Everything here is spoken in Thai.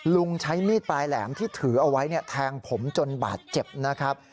ใช้มีดปลายแหลมที่ถือเอาไว้แทงผมจนบาดเจ็บนะครับ